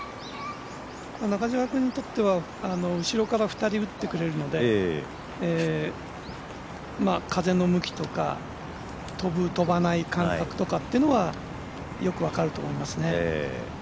中島君にとっては、後ろから２人打ってくれるので風の向きとか飛ぶ、飛ばない感覚とかっていうのはよく分かると思いますね。